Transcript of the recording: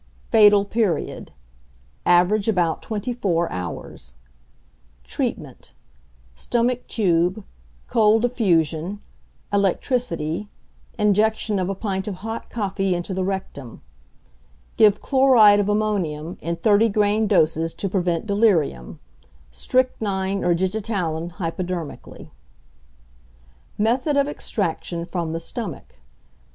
Fatal Period. Average about twenty four hours. Treatment. Stomach tube, cold affusion, electricity, injection of a pint of hot coffee into the rectum. Give chloride of ammonium in 30 grain doses to prevent delirium; strychnine or digitalin hypodermically. _Method of Extraction from the Stomach.